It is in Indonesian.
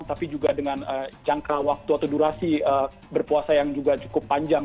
tapi juga dengan jangka waktu atau durasi berpuasa yang juga cukup panjang